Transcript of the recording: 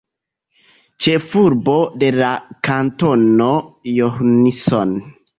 Ĉefurbo de la kantono Johnson.